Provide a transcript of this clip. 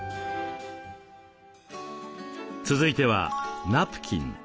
続いてはナプキン。